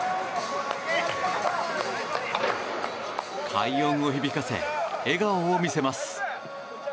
快音を響かせ、笑顔を見せます。